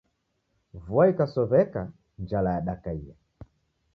Vua ikasow'eka, njala yadakaia